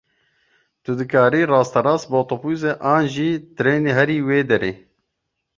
Tu dikarî rasterast bi otobûsê an jî trênê herî wê derê.